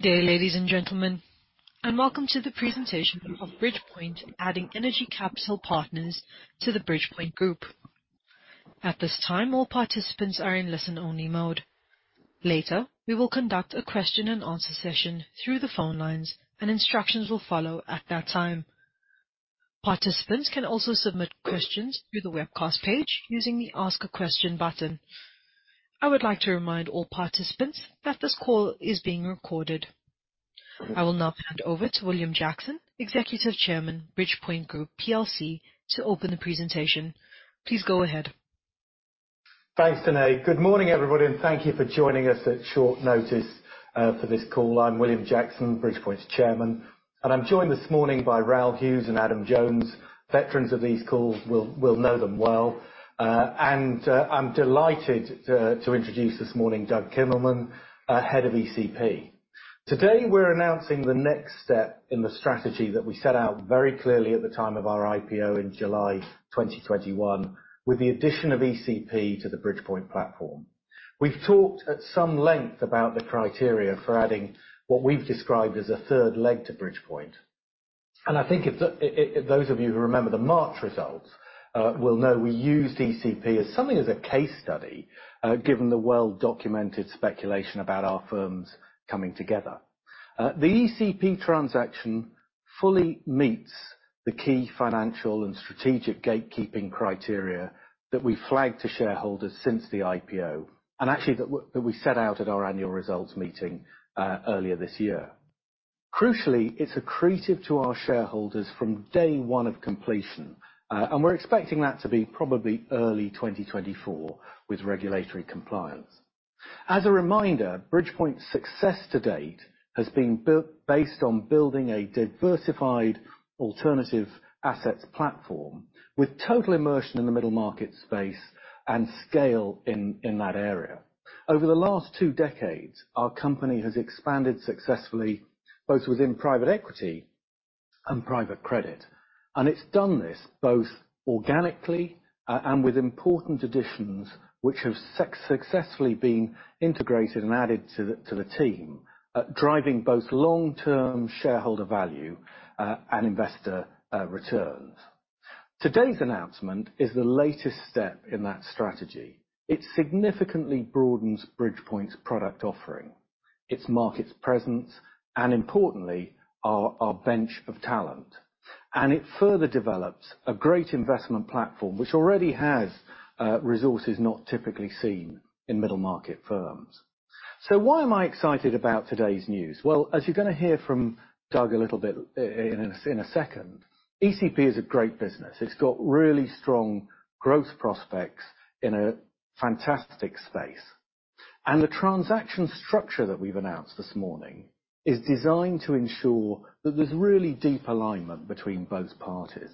Good day, ladies and gentlemen, and welcome to the presentation of Bridgepoint, adding Energy Capital Partners to the Bridgepoint Group. At this time, all participants are in listen-only mode. Later, we will conduct a question and answer session through the phone lines, and instructions will follow at that time. Participants can also submit questions through the webcast page using the Ask a Question button. I would like to remind all participants that this call is being recorded. I will now hand over to William Jackson, Executive Chairman, Bridgepoint Group plc, to open the presentation. Please go ahead. Thanks, Danae. Good morning, everybody, and thank you for joining us at short notice for this call. I'm William Jackson, Bridgepoint's chairman, and I'm joined this morning by Raoul Hughes and Adam Jones. Veterans of these calls will know them well. And I'm delighted to introduce this morning Doug Kimmelman, head of ECP. Today, we're announcing the next step in the strategy that we set out very clearly at the time of our IPO in July 2021, with the addition of ECP to the Bridgepoint platform. We've talked at some length about the criteria for adding what we've described as a third leg to Bridgepoint, and I think if those of you who remember the March results will know we used ECP as something as a case study, given the well-documented speculation about our firms coming together. The ECP transaction fully meets the key financial and strategic gatekeeping criteria that we flagged to shareholders since the IPO, and actually, that we set out at our annual results meeting earlier this year. Crucially, it's accretive to our shareholders from day one of completion, and we're expecting that to be probably early 2024, with regulatory compliance. As a reminder, Bridgepoint's success to date has been built based on building a diversified alternative assets platform, with total immersion in the middle market space and scale in that area. Over the last two decades, our company has expanded successfully, both within private equity and private credit, and it's done this both organically and with important additions, which have successfully been integrated and added to the team, driving both long-term shareholder value and investor returns. Today's announcement is the latest step in that strategy. It significantly broadens Bridgepoint's product offering, its market presence, and importantly, our bench of talent. It further develops a great investment platform, which already has resources not typically seen in middle-market firms. Why am I excited about today's news? Well, as you're gonna hear from Doug a little bit in a second, ECP is a great business. It's got really strong growth prospects in a fantastic space, and the transaction structure that we've announced this morning is designed to ensure that there's really deep alignment between both parties.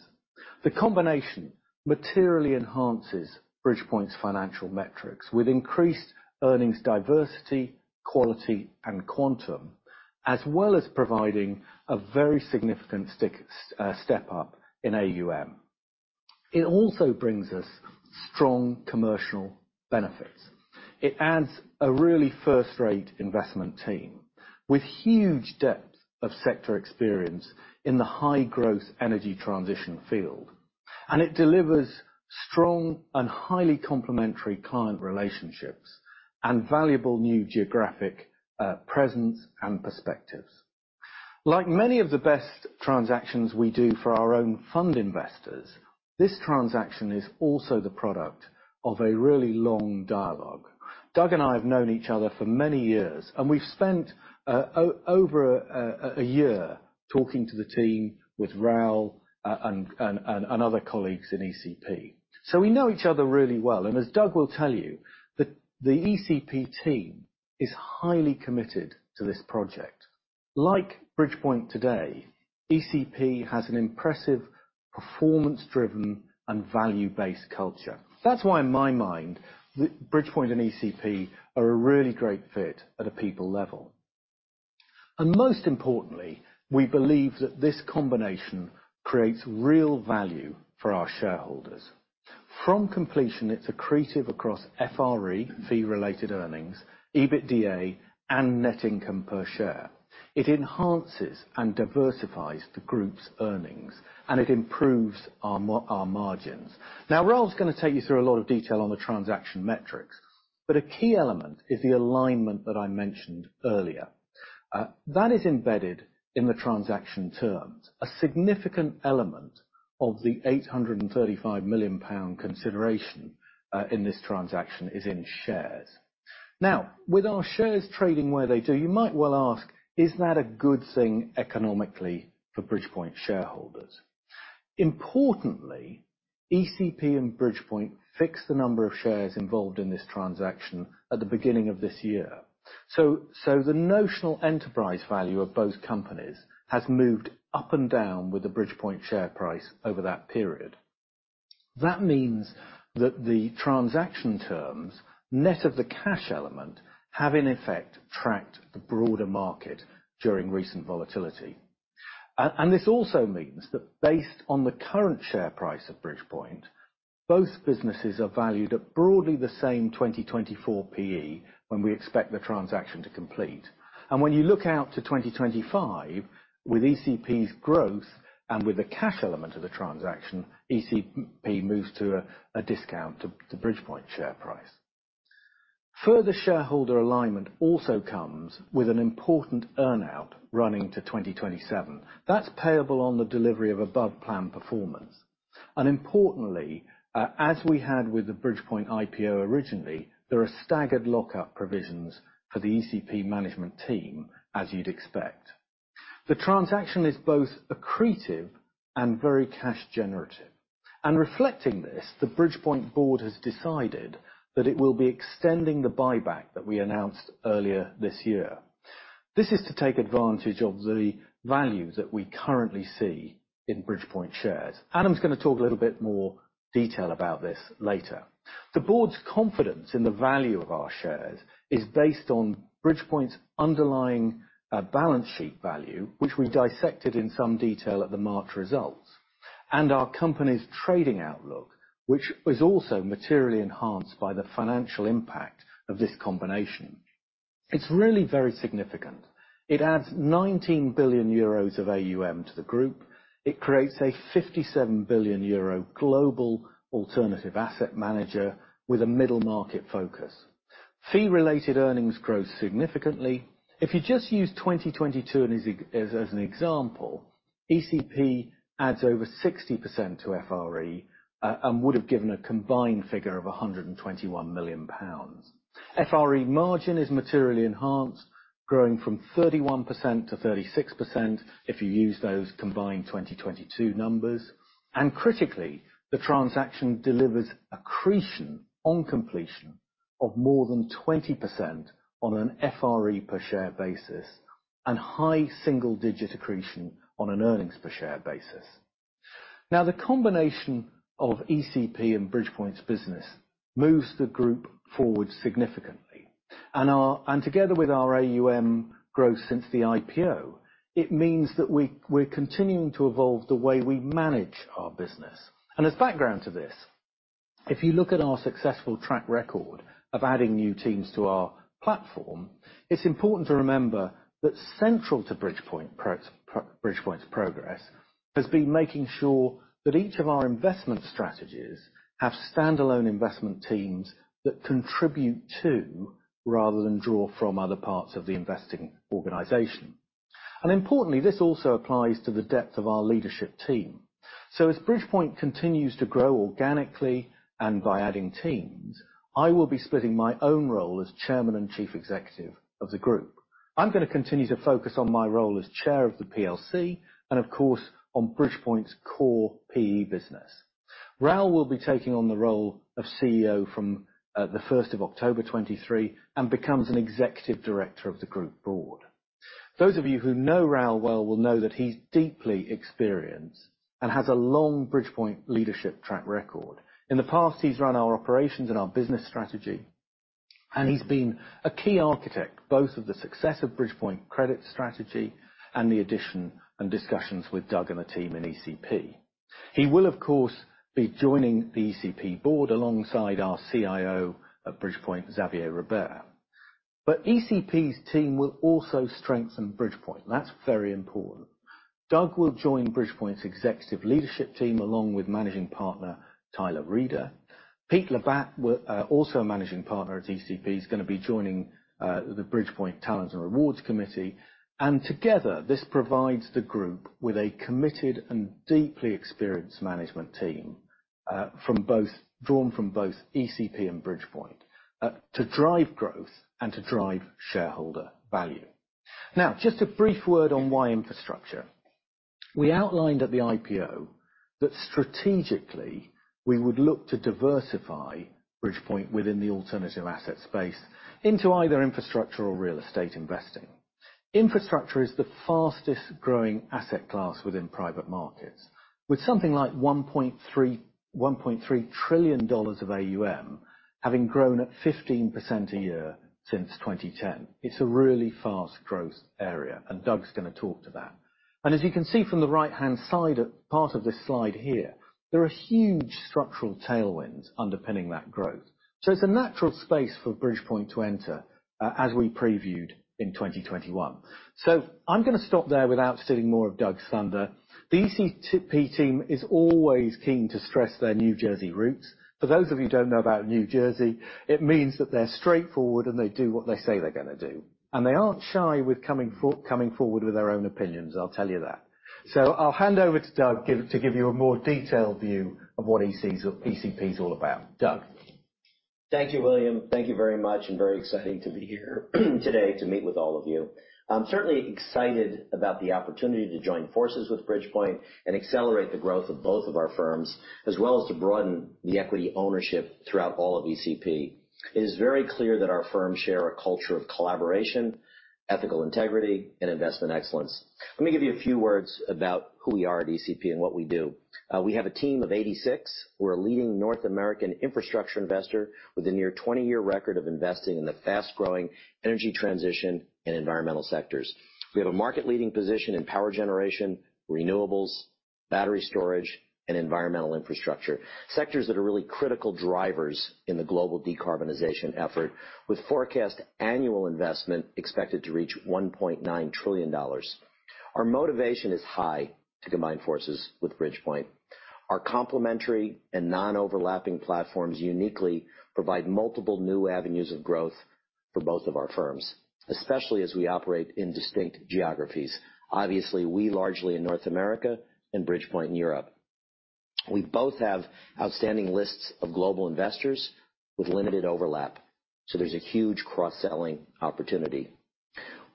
The combination materially enhances Bridgepoint's financial metrics with increased earnings diversity, quality, and quantum, as well as providing a very significant step up in AUM. It also brings us strong commercial benefits. It adds a really first-rate investment team with huge depth of sector experience in the high-growth energy transition field, and it delivers strong and highly complementary client relationships and valuable new geographic presence and perspectives. Like many of the best transactions we do for our own fund investors, this transaction is also the product of a really long dialogue. Doug and I have known each other for many years, and we've spent over a year talking to the team with Raoul and other colleagues in ECP. So we know each other really well, and as Doug will tell you, the ECP team is highly committed to this project. Like Bridgepoint today, ECP has an impressive, performance-driven and value-based culture. That's why, in my mind, Bridgepoint and ECP are a really great fit at a people level. Most importantly, we believe that this combination creates real value for our shareholders. From completion, it's accretive across FRE, fee-related earnings, EBITDA, and net income per share. It enhances and diversifies the group's earnings, and it improves our margins. Now, Raoul's gonna take you through a lot of detail on the transaction metrics, but a key element is the alignment that I mentioned earlier. That is embedded in the transaction terms. A significant element of the 835 million pound consideration in this transaction is in shares. Now, with our shares trading where they do, you might well ask: Is that a good thing economically for Bridgepoint shareholders? Importantly, ECP and Bridgepoint fixed the number of shares involved in this transaction at the beginning of this year. So, so the notional enterprise value of both companies has moved up and down with the Bridgepoint share price over that period. That means that the transaction terms, net of the cash element, have, in effect, tracked the broader market during recent volatility. And this also means that based on the current share price of Bridgepoint, both businesses are valued at broadly the same 2024 PE, when we expect the transaction to complete. And when you look out to 2025, with ECP's growth and with the cash element of the transaction, ECP moves to a discount to Bridgepoint share price. Further shareholder alignment also comes with an important earn-out running to 2027. That's payable on the delivery of above-plan performance. And importantly, as we had with the Bridgepoint IPO originally, there are staggered lockup provisions for the ECP management team, as you'd expect. The transaction is both accretive and very cash generative. And reflecting this, the Bridgepoint board has decided that it will be extending the buyback that we announced earlier this year. This is to take advantage of the value that we currently see in Bridgepoint shares. Adam's gonna talk a little bit more detail about this later. The board's confidence in the value of our shares is based on Bridgepoint's underlying balance sheet value, which we dissected in some detail at the March results, and our company's trading outlook, which is also materially enhanced by the financial impact of this combination. It's really very significant. It adds 19 billion euros of AUM to the group. It creates a 57 billion euro global alternative asset manager with a middle market focus. Fee-related earnings grow significantly. If you just use 2022 as an example, ECP adds over 60% to FRE, and would have given a combined figure of 121 million pounds. FRE margin is materially enhanced, growing from 31% to 36% if you use those combined 2022 numbers. And critically, the transaction delivers accretion on completion of more than 20% on an FRE per share basis, and high single digit accretion on an earnings per share basis. Now, the combination of ECP and Bridgepoint's business moves the group forward significantly. And together with our AUM growth since the IPO, it means that we're continuing to evolve the way we manage our business. As background to this, if you look at our successful track record of adding new teams to our platform, it's important to remember that central to Bridgepoint's progress has been making sure that each of our investment strategies have standalone investment teams that contribute to, rather than draw from, other parts of the investing organization. Importantly, this also applies to the depth of our leadership team. As Bridgepoint continues to grow organically and by adding teams, I will be splitting my own role as Chairman and Chief Executive of the group. I'm gonna continue to focus on my role as Chair of the PLC, and of course, on Bridgepoint's core PE business. Raoul will be taking on the role of Chief Executive Officer from the 1st of October 2023, and becomes an executive director of the group board. Those of you who know Raoul well will know that he's deeply experienced and has a long Bridgepoint leadership track record. In the past, he's run our operations and our business strategy, and he's been a key architect, both of the success of Bridgepoint credit strategy and the addition and discussions with Doug and the team in ECP. He will, of course, be joining the ECP board alongside our CIO at Bridgepoint, Xavier Robert. But ECP's team will also strengthen Bridgepoint. That's very important. Doug will join Bridgepoint's executive leadership team, along with Managing Partner, Tyler Reeder. Pete Labbat, also a managing partner at ECP, is gonna be joining the Bridgepoint Talent and Rewards Committee. And together, this provides the group with a committed and deeply experienced management team, drawn from both ECP and Bridgepoint, to drive growth and to drive shareholder value. Now, just a brief word on why infrastructure. We outlined at the IPO that strategically, we would look to diversify Bridgepoint within the alternative asset space into either infrastructure or real estate investing. Infrastructure is the fastest growing asset class within private markets, with something like $1.3 trillion of AUM, having grown at 15% a year since 2010. It's a really fast growth area, and Doug's gonna talk to that. And as you can see from the right-hand side, part of this slide here, there are huge structural tailwinds underpinning that growth. So it's a natural space for Bridgepoint to enter, as we previewed in 2021. So I'm gonna stop there without stealing more of Doug's thunder. The ECP team is always keen to stress their New Jersey roots. For those of you who don't know about New Jersey, it means that they're straightforward, and they do what they say they're gonna do. And they aren't shy with coming forward with their own opinions, I'll tell you that. So I'll hand over to Doug to give you a more detailed view of what ECP is all about. Doug? Thank you, William. Thank you very much, and very exciting to be here, today to meet with all of you. I'm certainly excited about the opportunity to join forces with Bridgepoint and accelerate the growth of both of our firms, as well as to broaden the equity ownership throughout all of ECP. It is very clear that our firms share a culture of collaboration, ethical integrity, and investment excellence. Let me give you a few words about who we are at ECP and what we do. We have a team of 86. We're a leading North American infrastructure investor with a near 20-year record of investing in the fast-growing energy transition and environmental sectors. We have a market-leading position in power generation, renewables-... Battery storage, and environmental infrastructure, sectors that are really critical drivers in the global decarbonization effort, with forecast annual investment expected to reach $1.9 trillion. Our motivation is high to combine forces with Bridgepoint. Our complementary and non-overlapping platforms uniquely provide multiple new avenues of growth for both of our firms, especially as we operate in distinct geographies. Obviously, we largely in North America and Bridgepoint in Europe. We both have outstanding lists of global investors with limited overlap, so there's a huge cross-selling opportunity.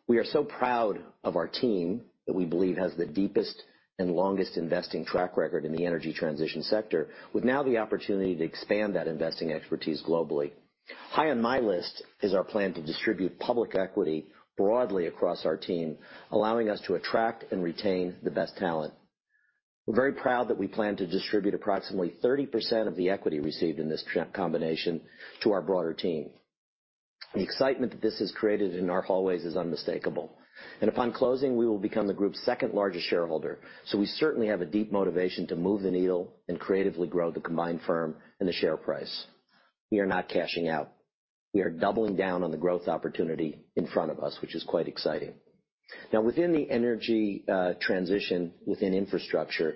We are so proud of our team, that we believe has the deepest and longest investing track record in the energy transition sector, with now the opportunity to expand that investing expertise globally. High on my list is our plan to distribute public equity broadly across our team, allowing us to attract and retain the best talent. We're very proud that we plan to distribute approximately 30% of the equity received in this combination to our broader team. The excitement that this has created in our hallways is unmistakable, and upon closing, we will become the group's second-largest shareholder, so we certainly have a deep motivation to move the needle and creatively grow the combined firm and the share price. We are not cashing out. We are doubling down on the growth opportunity in front of us, which is quite exciting. Now, within the energy transition, within infrastructure,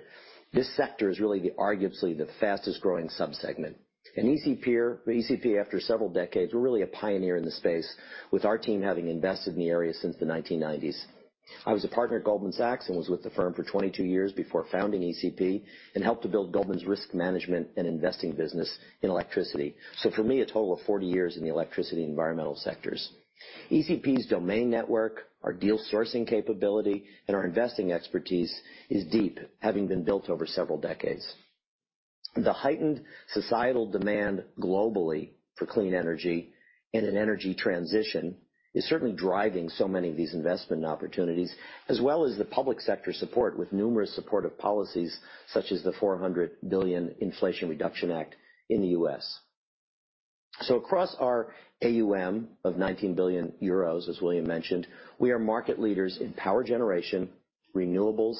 this sector is really the, arguably, the fastest-growing subsegment. And ECP, or ECP, after several decades, we're really a pioneer in the space, with our team having invested in the area since the 1990s. I was a partner at Goldman Sachs and was with the firm for 22 years before founding ECP and helped to build Goldman's risk management and investing business in electricity. So for me, a total of 40 years in the electricity and environmental sectors. ECP's domain network, our deal sourcing capability, and our investing expertise is deep, having been built over several decades. The heightened societal demand globally for clean energy and an energy transition is certainly driving so many of these investment opportunities, as well as the public sector support, with numerous supportive policies such as the $400 billion Inflation Reduction Act in the U.S. So across our AUM of 19 billion euros, as William mentioned, we are market leaders in power generation, renewables,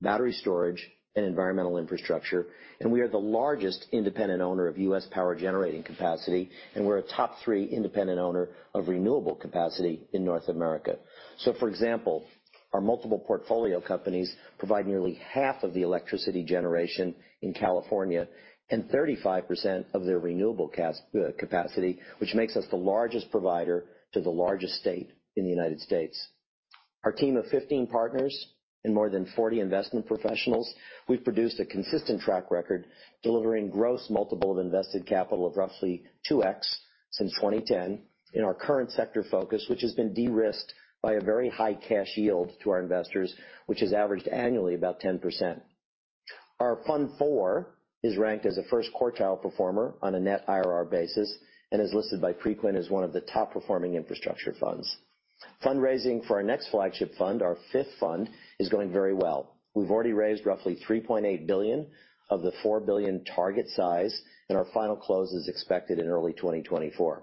battery storage, and environmental infrastructure, and we are the largest independent owner of U.S power-generating capacity, and we're a top three independent owner of renewable capacity in North America. So, for example, our multiple portfolio companies provide nearly half of the electricity generation in California and 35% of their renewable capacity, which makes us the largest provider to the largest state in the United States. Our team of 15 partners and more than 40 investment professionals, we've produced a consistent track record, delivering gross multiple of invested capital of roughly 2x since 2010, in our current sector focus, which has been de-risked by a very high cash yield to our investors, which has averaged annually about 10%. Our Fund 4 is ranked as a first quartile performer on a net IRR basis and is listed by Preqin as one of the top-performing infrastructure funds. Fundraising for our next flagship fund, our fifth fund, is going very well. We've already raised roughly $3.8 billion of the $4 billion target size, and our final close is expected in early 2024.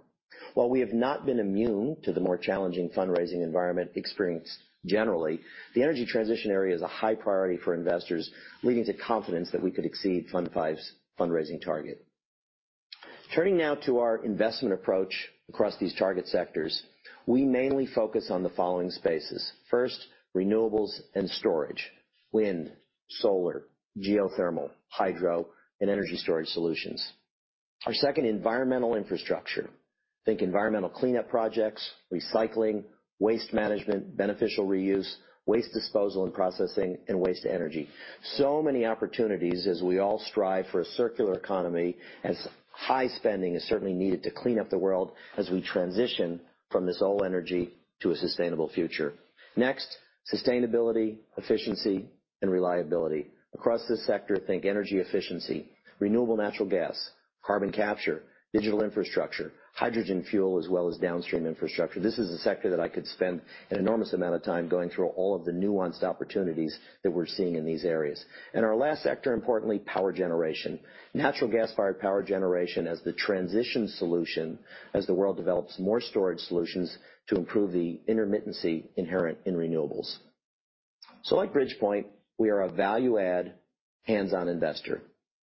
While we have not been immune to the more challenging fundraising environment experienced generally, the energy transition area is a high priority for investors, leading to confidence that we could exceed Fund 5's fundraising target. Turning now to our investment approach across these target sectors, we mainly focus on the following spaces. First, renewables and storage: wind, solar, geothermal, hydro, and energy storage solutions. Our second, environmental infrastructure. Think environmental cleanup projects, recycling, waste management, beneficial reuse, waste disposal and processing, and waste to energy. So many opportunities as we all strive for a circular economy, as high spending is certainly needed to clean up the world as we transition from this old energy to a sustainable future. Next, sustainability, efficiency, and reliability. Across this sector, think energy efficiency, renewable natural gas, carbon capture, digital infrastructure, hydrogen fuel, as well as downstream infrastructure. This is a sector that I could spend an enormous amount of time going through all of the nuanced opportunities that we're seeing in these areas. And our last sector, importantly, power generation. Natural gas-fired power generation as the transition solution as the world develops more storage solutions to improve the intermittency inherent in renewables. So like Bridgepoint, we are a value add, hands-on investor.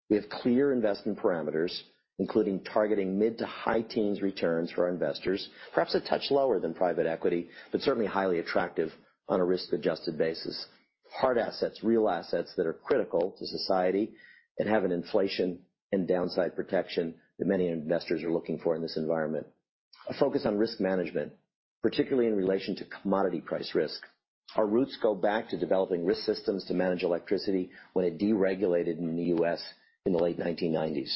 We have clear investment parameters, including targeting mid- to high-teens returns for our investors, perhaps a touch lower than private equity, but certainly highly attractive on a risk-adjusted basis. Hard assets, real assets that are critical to society and have an inflation and downside protection that many investors are looking for in this environment. A focus on risk management, particularly in relation to commodity price risk. Our roots go back to developing risk systems to manage electricity when it deregulated in the U.S. in the late 1990s.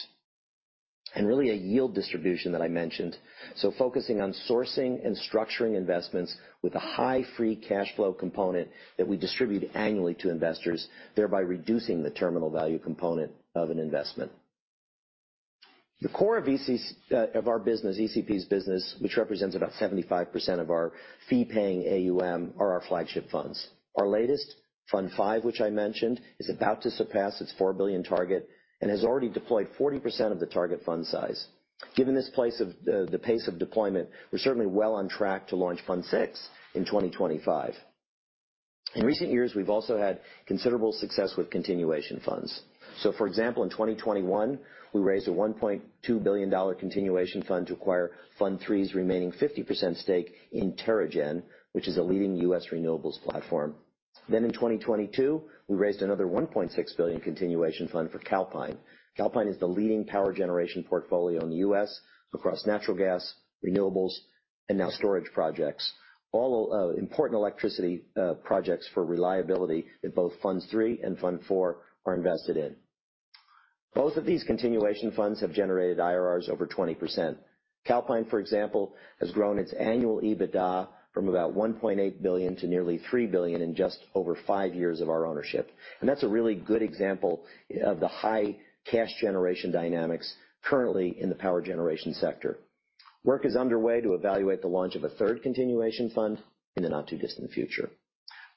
And really, a yield distribution that I mentioned, so focusing on sourcing and structuring investments with a high free cash flow component that we distribute annually to investors, thereby reducing the terminal value component of an investment. The core of ECP, of our business, ECP's business, which represents about 75% of our fee-paying AUM, are our flagship funds. Our latest Fund 5, which I mentioned, is about to surpass its $4 billion target and has already deployed 40% of the target fund size. Given this pace of deployment, we're certainly well on track to launch Fund 6 in 2025. In recent years, we've also had considerable success with continuation funds. For example, in 2021, we raised a $1.2 billion continuation fund to acquire Fund 3's remaining 50% stake in Terra-Gen, which is a leading U.S. renewables platform. Then in 2022, we raised another $1.6 billion continuation fund for Calpine. Calpine is the leading power generation portfolio in the U.S. across natural gas, renewables, and now storage projects. All important electricity projects for reliability in both funds 3 and fund 4 are invested in. Both of these continuation funds have generated IRRs over 20%. Calpine, for example, has grown its annual EBITDA from about $1.8 billion to nearly $3 billion in just over five years of our ownership, and that's a really good example of the high cash generation dynamics currently in the power generation sector. Work is underway to evaluate the launch of a third continuation fund in the not-too-distant future.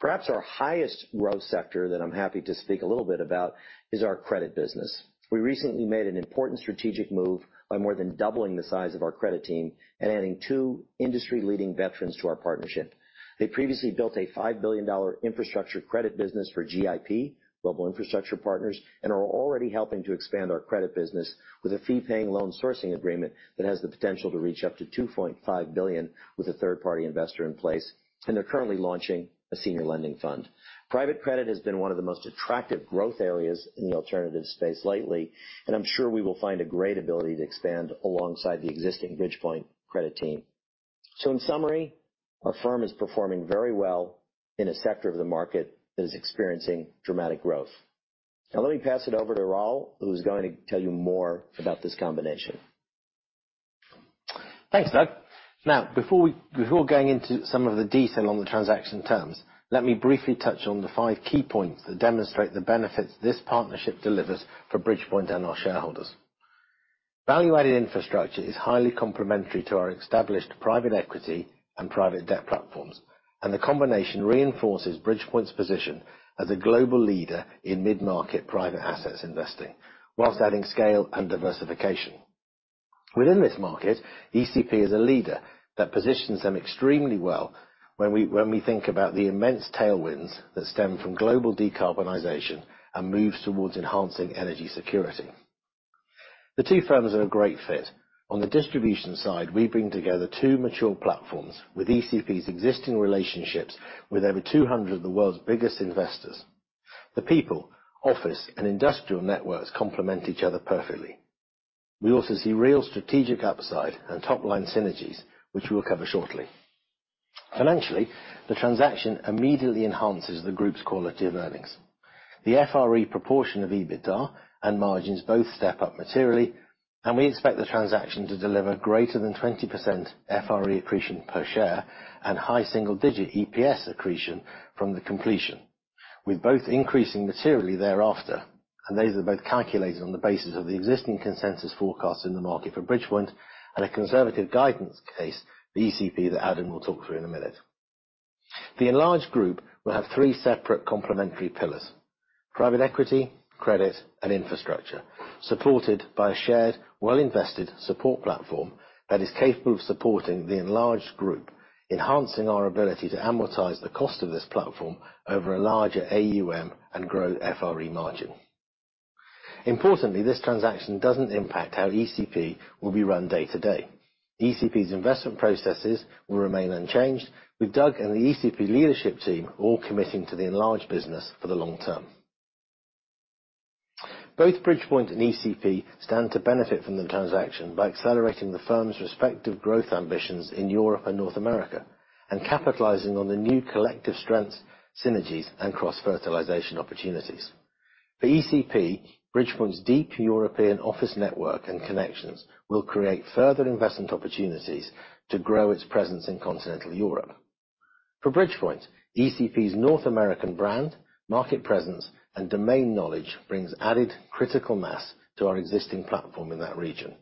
Perhaps our highest growth sector that I'm happy to speak a little bit about is our credit business. We recently made an important strategic move by more than doubling the size of our credit team and adding two industry-leading veterans to our partnership. They previously built a $5 billion infrastructure credit business for GIP, Global Infrastructure Partners, and are already helping to expand our credit business with a fee-paying loan sourcing agreement that has the potential to reach up to $2.5 billion with a third-party investor in place, and they're currently launching a senior lending fund. Private credit has been one of the most attractive growth areas in the alternative space lately, and I'm sure we will find a great ability to expand alongside the existing Bridgepoint credit team. So in summary, our firm is performing very well in a sector of the market that is experiencing dramatic growth. Now, let me pass it over to Raoul, who's going to tell you more about this combination. Thanks, Doug. Now, before going into some of the detail on the transaction terms, let me briefly touch on the five key points that demonstrate the benefits this partnership delivers for Bridgepoint and our shareholders. Value-added infrastructure is highly complementary to our established private equity and private debt platforms, and the combination reinforces Bridgepoint's position as a global leader in mid-market private assets investing, while adding scale and diversification. Within this market, ECP is a leader that positions them extremely well when we think about the immense tailwinds that stem from global decarbonization and moves towards enhancing energy security. The two firms are a great fit. On the distribution side, we bring together two mature platforms, with ECP's existing relationships with over 200 of the world's biggest investors. The people, office, and industrial networks complement each other perfectly. We also see real strategic upside and top-line synergies, which we'll cover shortly. Financially, the transaction immediately enhances the group's quality of earnings. The FRE proportion of EBITDA and margins both step up materially, and we expect the transaction to deliver greater than 20% FRE accretion per share and high single-digit EPS accretion from the completion, with both increasing materially thereafter, and these are both calculated on the basis of the existing consensus forecasts in the market for Bridgepoint and a conservative guidance case, the ECP, that Adam will talk through in a minute. The enlarged group will have three separate complementary pillars: private equity, credit, and infrastructure, supported by a shared, well-invested support platform that is capable of supporting the enlarged group, enhancing our ability to amortize the cost of this platform over a larger AUM and grow FRE margin. Importantly, this transaction doesn't impact how ECP will be run day-to-day. ECP's investment processes will remain unchanged, with Doug and the ECP leadership team all committing to the enlarged business for the long term. Both Bridgepoint and ECP stand to benefit from the transaction by accelerating the firm's respective growth ambitions in Europe and North America and capitalizing on the new collective strengths, synergies, and cross-fertilization opportunities. For ECP, Bridgepoint's deep European office network and connections will create further investment opportunities to grow its presence in continental Europe. For Bridgepoint, ECP's North American brand, market presence, and domain knowledge brings added critical mass to our existing platform in that region.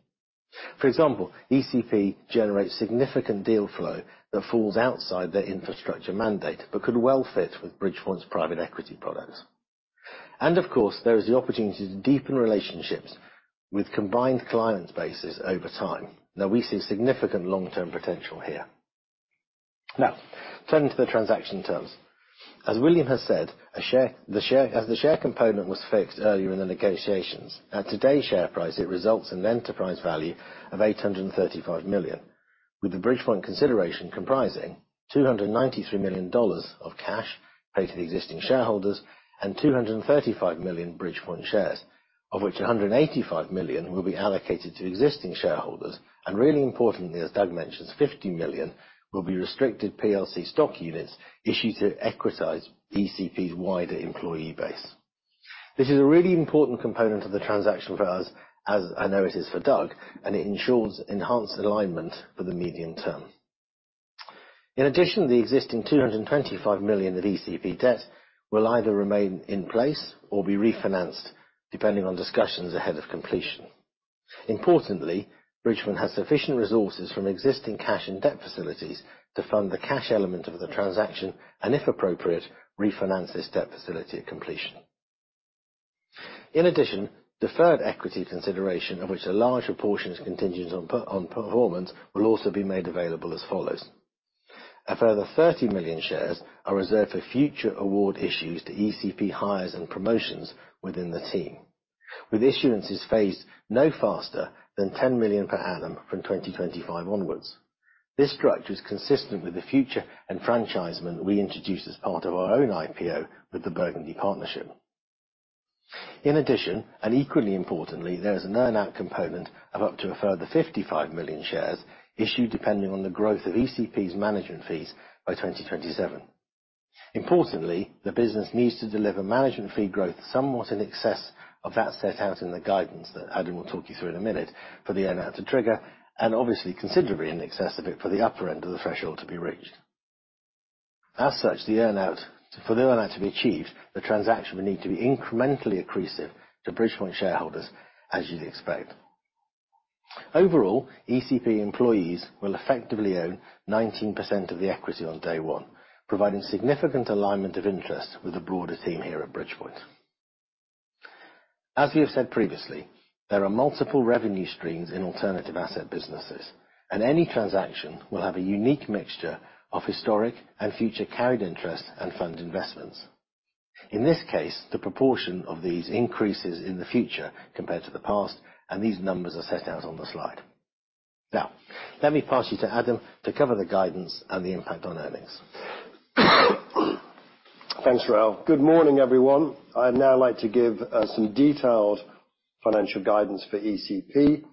For example, ECP generates significant deal flow that falls outside their infrastructure mandate, but could well fit with Bridgepoint's private equity products. Of course, there is the opportunity to deepen relationships with combined client bases over time. Now, we see significant long-term potential here. Now, turning to the transaction terms. As William has said, a share, the share, as the share component was fixed earlier in the negotiations, at today's share price, it results in an enterprise value of $835 million, with the Bridgepoint consideration comprising $293 million of cash paid to the existing shareholders and $235 million Bridgepoint shares, of which $185 million will be allocated to existing shareholders. And really importantly, as Doug mentions, $50 million will be restricted PLC stock units issued to equitize ECP's wider employee base. This is a really important component of the transaction for us, as I know it is for Doug, and it ensures enhanced alignment for the medium term. In addition, the existing $225 million of ECP debt will either remain in place or be refinanced, depending on discussions ahead of completion. Importantly, Bridgepoint has sufficient resources from existing cash and debt facilities to fund the cash element of the transaction and, if appropriate, refinance this debt facility at completion. In addition, deferred equity consideration, of which a larger portion is contingent on performance, will also be made available as follows: A further $30 million shares are reserved for future award issues to ECP hires and promotions within the team, with issuances phased no faster than $10 million per annum from 2025 onwards. This structure is consistent with the future enfranchisement we introduced as part of our own IPO with the Burgundy Partnership. In addition, and equally importantly, there is an earn-out component of up to a further 55 million shares issued, depending on the growth of ECP's management fees by 2027. Importantly, the business needs to deliver management fee growth somewhat in excess of that set out in the guidance, that Adam will talk you through in a minute, for the earn-out to trigger, and obviously considerably in excess of it, for the upper end of the threshold to be reached. As such, the earn-out, for the earn-out to be achieved, the transaction will need to be incrementally accretive to Bridgepoint shareholders, as you'd expect. Overall, ECP employees will effectively own 19% of the equity on day one, providing significant alignment of interests with the broader team here at Bridgepoint. As we have said previously, there are multiple revenue streams in alternative asset businesses, and any transaction will have a unique mixture of historic and future carried interest and fund investments. In this case, the proportion of these increases in the future compared to the past, and these numbers are set out on the slide. Now, let me pass you to Adam to cover the guidance and the impact on earnings. Thanks, Raoul. Good morning, everyone. I'd now like to give some detailed financial guidance for ECP.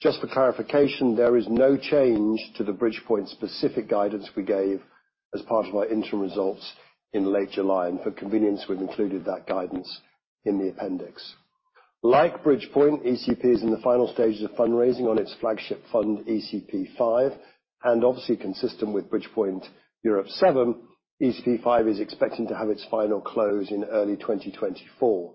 Just for clarification, there is no change to the Bridgepoint-specific guidance we gave as part of our interim results in late July, and for convenience, we've included that guidance in the appendix. Like Bridgepoint, ECP is in the final stages of fundraising on its flagship fund, ECP V, and obviously consistent with Bridgepoint Europe VII, ECP V is expecting to have its final close in early 2024.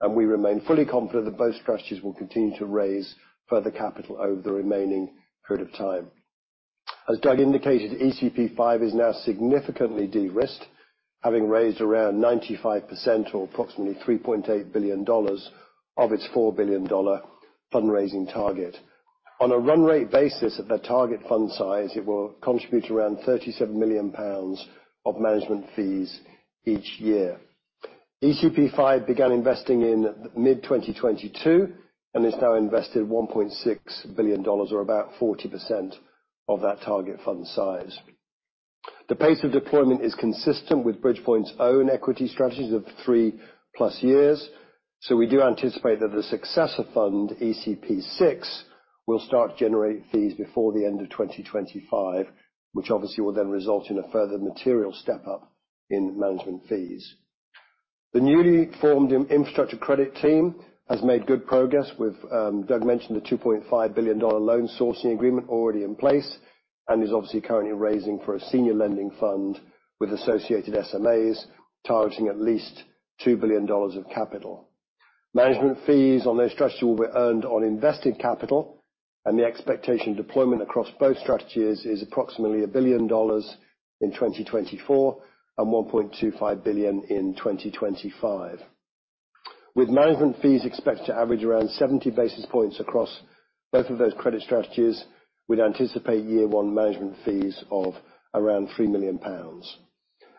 And we remain fully confident that both strategies will continue to raise further capital over the remaining period of time. As Doug indicated, ECP V is now significantly de-risked, having raised around 95%, or approximately $3.8 billion of its $4 billion fundraising target. On a run rate basis at the target fund size, it will contribute around 37 million pounds of management fees each year. ECP V began investing in mid-2022 and has now invested $1.6 billion, or about 40% of that target fund size. The pace of deployment is consistent with Bridgepoint's own equity strategies of 3+ years, so we do anticipate that the successor fund, ECP VI, will start to generate fees before the end of 2025, which obviously will then result in a further material step up in management fees. The newly formed infrastructure credit team has made good progress with, Doug mentioned the $2.5 billion loan sourcing agreement already in place, and is obviously currently raising for a senior lending fund with associated SMAs, targeting at least $2 billion of capital. Management fees on those strategies will be earned on invested capital, and the expectation deployment across both strategies is approximately $1 billion in 2024, and $1.25 billion in 2025. With management fees expected to average around 70 basis points across both of those credit strategies, we'd anticipate year one management fees of around 3 million pounds.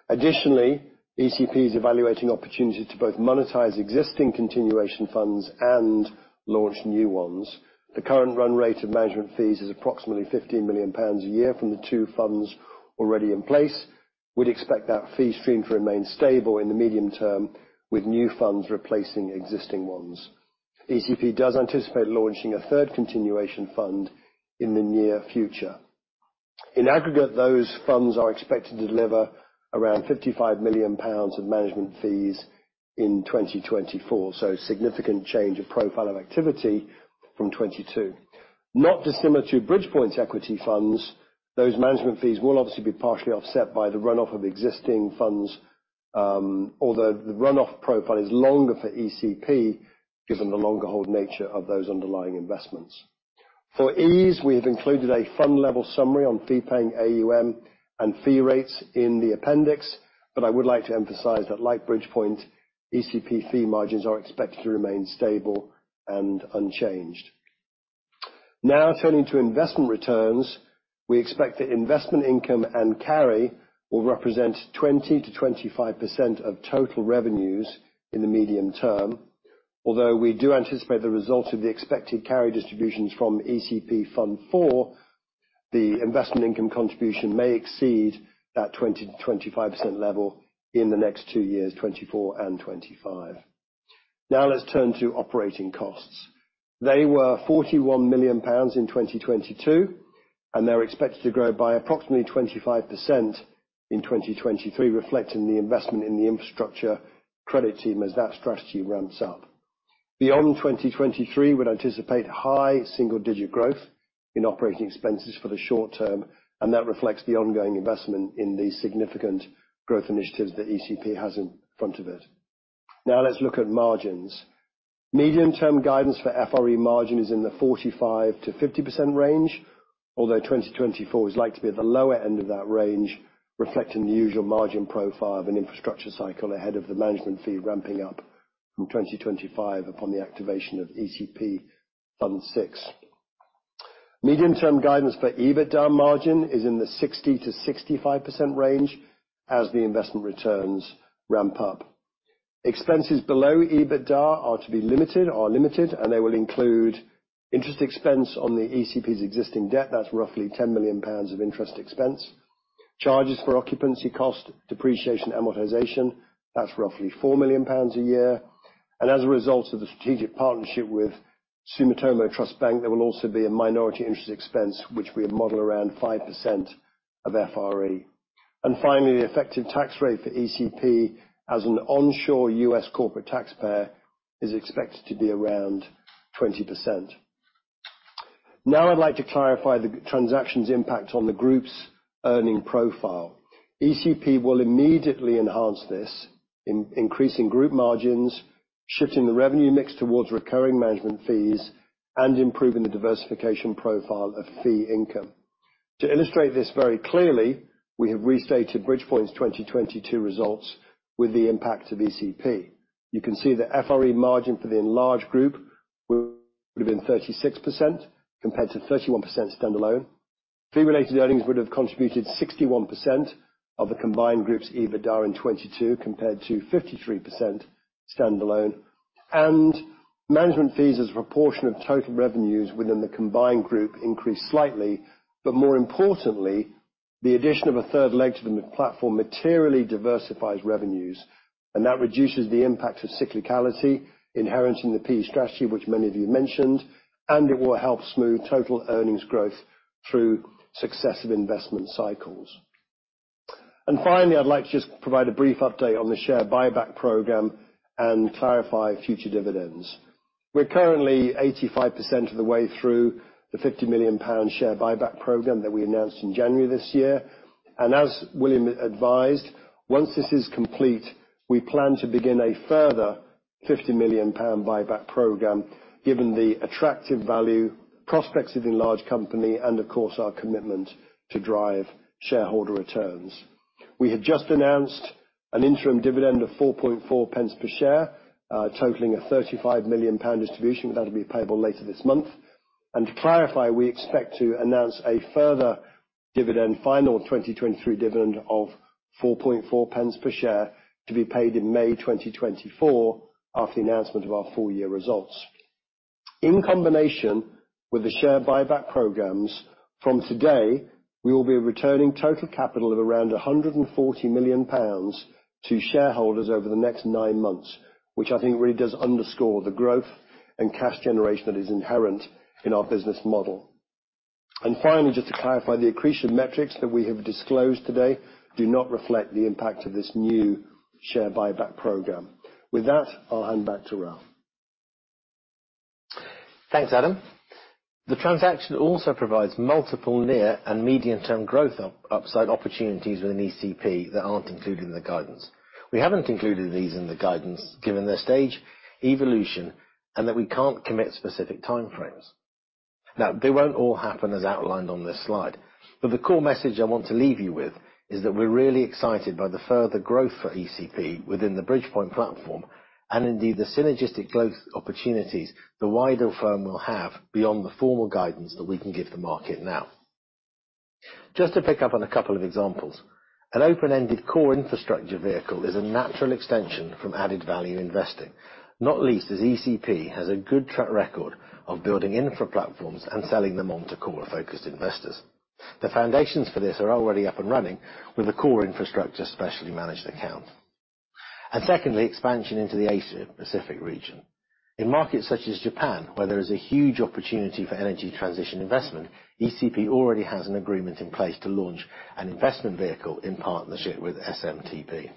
Additionally, ECP is evaluating opportunities to both monetize existing continuation funds and launch new ones. The current run rate of management fees is approximately 15 million pounds a year from the two funds already in place. We'd expect that fee stream to remain stable in the medium term, with new funds replacing existing ones. ECP does anticipate launching a third continuation fund in the near future. In aggregate, those funds are expected to deliver around 55 million pounds of management fees in 2024, so significant change of profile of activity from 2022. Not dissimilar to Bridgepoint's equity funds, those management fees will obviously be partially offset by the run-off of existing funds, although the run-off profile is longer for ECP, given the longer hold nature of those underlying investments. For ease, we have included a fund level summary on fee-paying AUM and fee rates in the appendix, but I would like to emphasize that, like Bridgepoint, ECP fee margins are expected to remain stable and unchanged. Now, turning to investment returns, we expect that investment income and carry will represent 20%-25% of total revenues in the medium term. Although we do anticipate the result of the expected carry distributions from ECP Fund IV, the investment income contribution may exceed that 20%-25% level in the next two years, 2024 and 2025. Now, let's turn to operating costs. They were 41 million pounds in 2022, and they're expected to grow by approximately 25% in 2023, reflecting the investment in the infrastructure credit team as that strategy ramps up. Beyond 2023, we'd anticipate high single-digit growth in operating expenses for the short term, and that reflects the ongoing investment in the significant growth initiatives that ECP has in front of it. Now, let's look at margins. Medium-term guidance for FRE margin is in the 45%-50% range, although 2024 is likely to be at the lower end of that range, reflecting the usual margin profile of an infrastructure cycle ahead of the management fee ramping up in 2025 upon the activation of ECP Fund Six. Medium-term guidance for EBITDA margin is in the 60%-65% range as the investment returns ramp up. Expenses below EBITDA are to be limited, are limited, and they will include interest expense on the ECP's existing debt. That's roughly 10 million pounds of interest expense. Charges for occupancy cost, depreciation, amortization, that's roughly 4 million pounds a year. And as a result of the strategic partnership with Sumitomo Mitsui Trust Bank, there will also be a minority interest expense, which we have modeled around 5% of FRE. Finally, the effective tax rate for ECP as an onshore US corporate taxpayer, is expected to be around 20%. Now, I'd like to clarify the transaction's impact on the group's earning profile. ECP will immediately enhance this, in increasing group margins, shifting the revenue mix towards recurring management fees, and improving the diversification profile of fee income. To illustrate this very clearly, we have restated Bridgepoint's 2022 results with the impact of ECP. You can see the FRE margin for the enlarged group would have been 36%, compared to 31% standalone. Fee-related earnings would have contributed 61% of the combined group's EBITDA in 2022, compared to 53% standalone. Management fees as a proportion of total revenues within the combined group increased slightly, but more importantly, the addition of a third leg to the platform materially diversifies revenues, and that reduces the impact of cyclicality inherent in the PE strategy, which many of you mentioned, and it will help smooth total earnings growth through successive investment cycles. Finally, I'd like to just provide a brief update on the share buyback program and clarify future dividends. We're currently 85% of the way through the 50 million pound share buyback program that we announced in January this year. As William advised, once this is complete, we plan to begin a further 50 million pound buyback program, given the attractive value prospects of the enlarged company and, of course, our commitment to drive shareholder returns. We have just announced an interim dividend of 4.4 pence per share, totaling a 35 million pound distribution. That'll be payable later this month. To clarify, we expect to announce a further dividend, final 2023 dividend of 4.4 pence per share, to be paid in May 2024, after the announcement of our full year results. In combination with the share buyback programs, from today, we will be returning total capital of around 140 million pounds to shareholders over the next nine months, which I think really does underscore the growth and cash generation that is inherent in our business model. Finally, just to clarify, the accretion metrics that we have disclosed today do not reflect the impact of this new share buyback program. With that, I'll hand back to Raoul. Thanks, Adam. The transaction also provides multiple near- and medium-term growth upside opportunities within ECP that aren't included in the guidance. We haven't included these in the guidance, given their stage, evolution, and that we can't commit specific time frames. Now, they won't all happen as outlined on this slide, but the core message I want to leave you with is that we're really excited by the further growth for ECP within the Bridgepoint platform, and indeed, the synergistic growth opportunities the wider firm will have beyond the formal guidance that we can give the market now. Just to pick up on a couple of examples, an open-ended core infrastructure vehicle is a natural extension from added value investing, not least as ECP has a good track record of building infra platforms and selling them on to core focused investors. The foundations for this are already up and running with a core infrastructure, separately managed account. Secondly, expansion into the Asia Pacific region. In markets such as Japan, where there is a huge opportunity for energy transition investment, ECP already has an agreement in place to launch an investment vehicle in partnership with SMTB.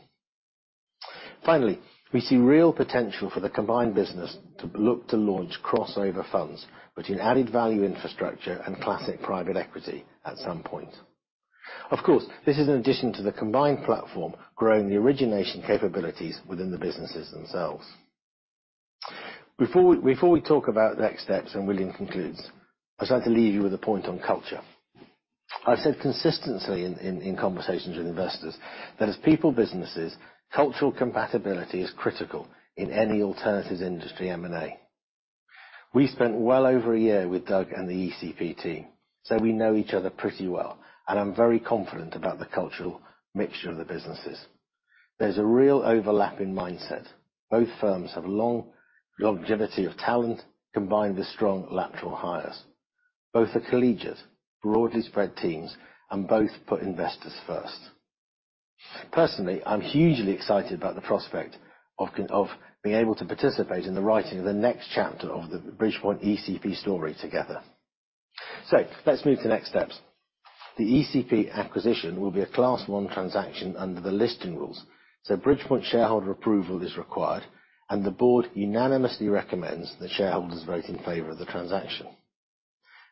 Finally, we see real potential for the combined business to look to launch crossover funds between added value infrastructure and classic private equity at some point. Of course, this is in addition to the combined platform growing the origination capabilities within the businesses themselves. Before we talk about the next steps and William concludes, I'd like to leave you with a point on culture. I've said consistently in conversations with investors that as people businesses, cultural compatibility is critical in any alternatives industry M&A. We spent well over a year with Doug and the ECP team, so we know each other pretty well, and I'm very confident about the cultural mixture of the businesses. There's a real overlap in mindset. Both firms have long longevity of talent, combined with strong lateral hires. Both are collegiate, broadly spread teams, and both put investors first. Personally, I'm hugely excited about the prospect of being able to participate in the writing of the next chapter of the Bridgepoint ECP story together. So let's move to the next steps. The ECP acquisition will be a Class 1 transaction under the listing rules, so Bridgepoint shareholder approval is required, and the board unanimously recommends that shareholders vote in favor of the transaction.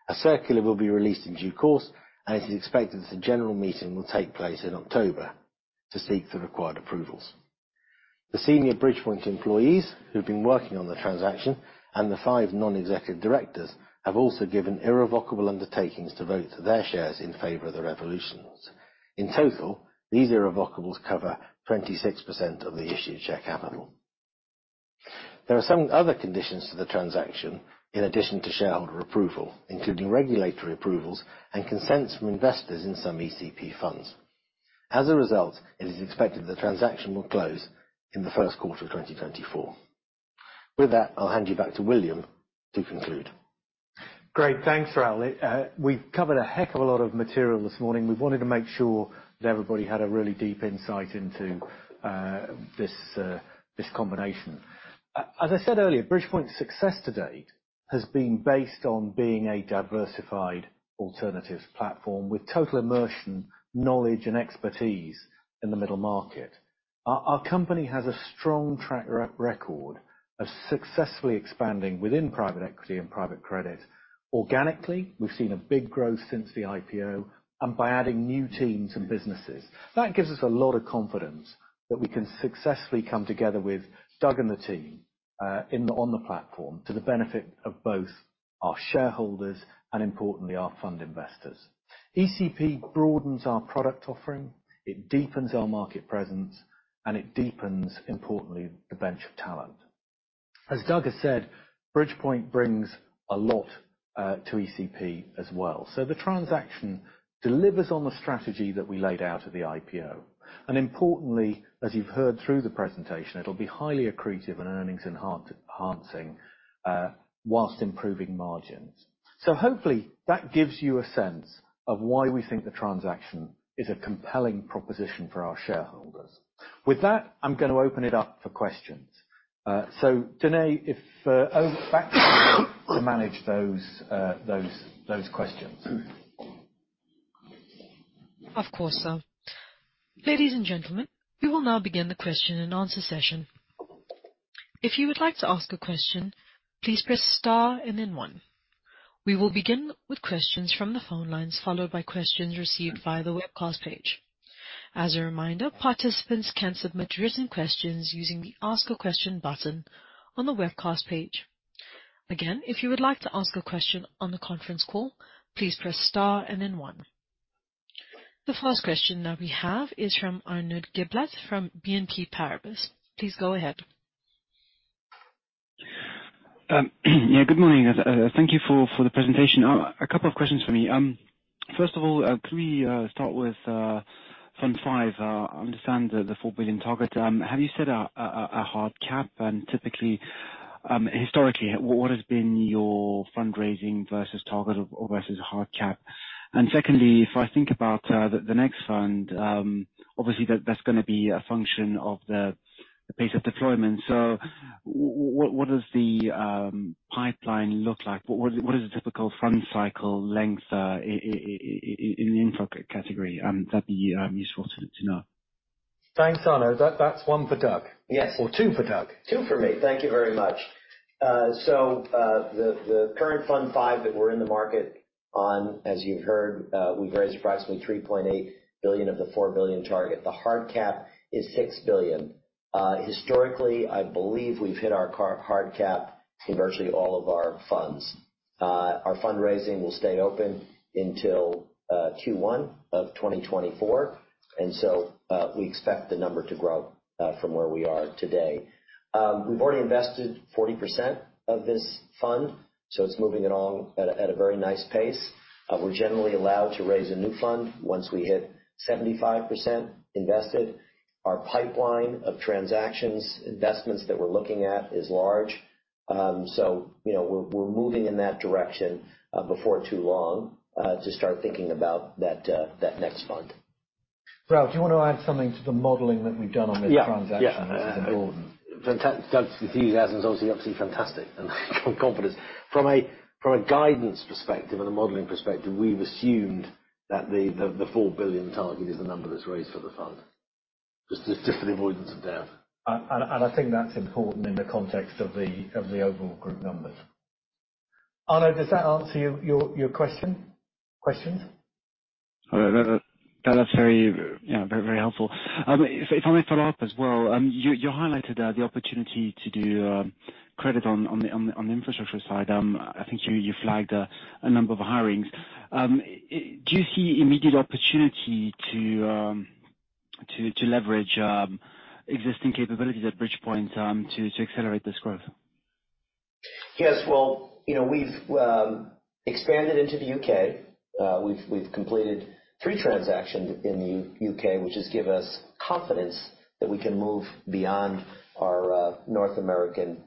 A circular will be released in due course, and it is expected that the general meeting will take place in October to seek the required approvals. The senior Bridgepoint employees who've been working on the transaction and the five non-executive directors have also given irrevocable undertakings to vote their shares in favor of the resolutions. In total, these irrevocables cover 26% of the issued share capital. There are some other conditions to the transaction in addition to shareholder approval, including regulatory approvals and consents from investors in some ECP funds. As a result, it is expected the transaction will close in the first quarter of 2024. With that, I'll hand you back to William to conclude. Great. Thanks, Ralph. We've covered a heck of a lot of material this morning. We wanted to make sure that everybody had a really deep insight into this combination. As I said earlier, Bridgepoint's success to date has been based on being a diversified alternatives platform with total immersion, knowledge, and expertise in the middle market. Our company has a strong track record of successfully expanding within private equity and private credit. Organically, we've seen a big growth since the IPO and by adding new teams and businesses. That gives us a lot of confidence that we can successfully come together with Doug and the team on the platform to the benefit of both our shareholders and importantly, our fund investors. ECP broadens our product offering, it deepens our market presence, and it deepens, importantly, the bench of talent. As Doug has said, Bridgepoint brings a lot to ECP as well. So the transaction delivers on the strategy that we laid out at the IPO. And importantly, as you've heard through the presentation, it'll be highly accretive on earnings enhancing whilst improving margins. So hopefully that gives you a sense of why we think the transaction is a compelling proposition for our shareholders. With that, I'm going to open it up for questions. So Danae, if... Over back to manage those questions. Of course, sir. Ladies and gentlemen, we will now begin the question-and-answer session. If you would like to ask a question, please press star and then one. We will begin with questions from the phone lines, followed by questions received via the webcast page. As a reminder, participants can submit written questions using the Ask a Question button on the webcast page. Again, if you would like to ask a question on the conference call, please press star and then one. The first question that we have is from Arnaud Giblat from BNP Paribas. Please go ahead. Yeah, good morning. Thank you for the presentation. A couple of questions for me. First of all, can we start with fund five? I understand the $4 billion target. Have you set a hard cap? And typically, historically, what has been your fundraising versus target versus hard cap? And secondly, if I think about the next fund, obviously, that's gonna be a function of the pace of deployment. So what does the pipeline look like? What is the typical fund cycle length in the infra category? That'd be useful to know. Thanks, Arnaud. That, that's one for Doug. Yes. Or two for Doug. Two for me. Thank you very much. So, the current fund five that we're in the market on, as you've heard, we've raised approximately $3.8 billion of the $4 billion target. The hard cap is $6 billion. Historically, I believe we've hit our hard cap in virtually all of our funds. Our fundraising will stay open until Q1 of 2024, and so, we expect the number to grow from where we are today. We've already invested 40% of this fund, so it's moving along at a very nice pace. We're generally allowed to raise a new fund once we hit 75% invested. Our pipeline of transactions, investments that we're looking at is large. So, you know, we're moving in that direction before too long to start thinking about that next fund. Ralph, do you want to add something to the modeling that we've done on this transaction? Yeah. It's important. Fantastic, Doug, with you, that was obviously fantastic and confidence. From a guidance perspective and a modeling perspective, we've assumed that the $4 billion target is the number that's raised for the fund, just for the avoidance of doubt. I think that's important in the context of the overall group numbers. Arnaud, does that answer your question? Questions. All right. That, that's very, you know, very, very helpful. If I may follow up as well, you highlighted the opportunity to do credit on the infrastructure side. I think you flagged a number of hirings. Do you see immediate opportunity to leverage existing capabilities at Bridgepoint to accelerate this growth? Yes. Well, you know, we've expanded into the U.K. We've completed three transactions in the U.K, which has given us confidence that we can move beyond our North American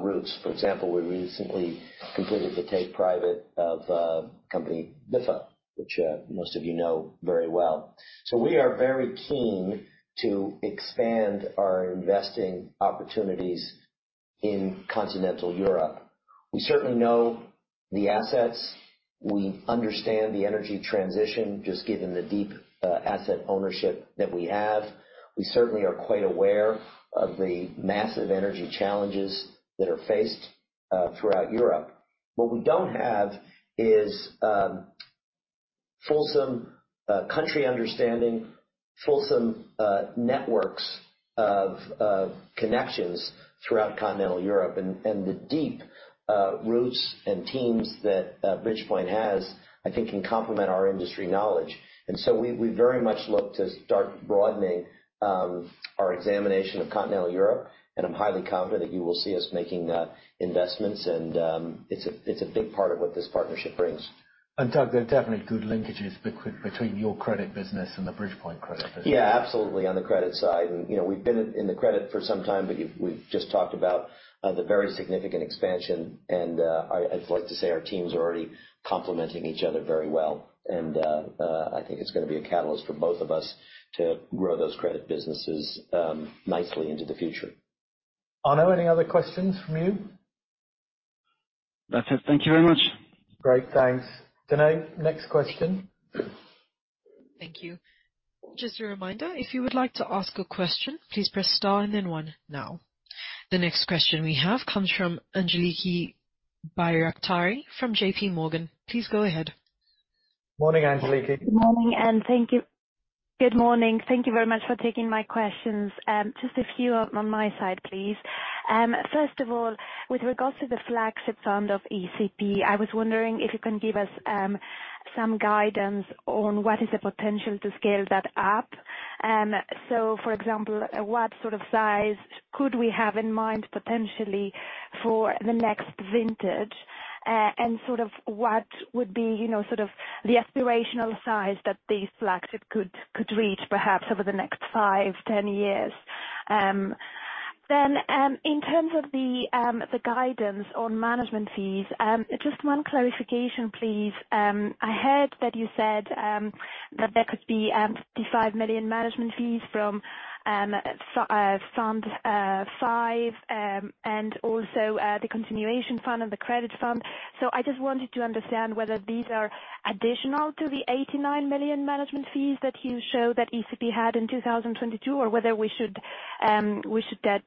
roots. For example, we recently completed the take private of company Biffa, which most of you know very well. So we are very keen to expand our investing opportunities in continental Europe. We certainly know the assets. We understand the energy transition, just given the deep asset ownership that we have. We certainly are quite aware of the massive energy challenges that are faced throughout Europe. What we don't have is fulsome country understanding, fulsome networks of connections throughout continental Europe and the deep roots and teams that Bridgepoint has, I think, can complement our industry knowledge. And so we very much look to start broadening our examination of continental Europe, and I'm highly confident that you will see us making investments, and it's a big part of what this partnership brings. Doug, there are definitely good linkages between your credit business and the Bridgepoint credit business. Yeah, absolutely, on the credit side. And, you know, we've been in the credit for some time, but we've just talked about the very significant expansion, and I'd like to say our teams are already complementing each other very well, and I think it's gonna be a catalyst for both of us to grow those credit businesses nicely into the future. Arnaud, any other questions from you? That's it. Thank you very much. Great. Thanks. Danae, next question. Thank you. Just a reminder, if you would like to ask a question, please press star and then one now. The next question we have comes from Angeliki Bairaktari from J.P. Morgan. Please go ahead. Morning, Angeliki. Good morning, and thank you. Good morning. Thank you very much for taking my questions. Just a few on my side, please. First of all, with regards to the flagship fund of ECP, I was wondering if you can give us some guidance on what is the potential to scale that up. So for example, what sort of size could we have in mind potentially for the next vintage? And sort of what would be, you know, sort of the aspirational size that these flagship could reach perhaps over the next five, 10 years. Then, in terms of the guidance on management fees, just one clarification, please. I heard that you said that there could be $55 million management fees from fund five and also the continuation fund and the credit fund. So I just wanted to understand whether these are additional to the $89 million management fees that you show that ECP had in 2022, or whether we should